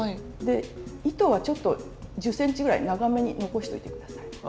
で糸はちょっと１０ｃｍぐらい長めに残しておいて下さい。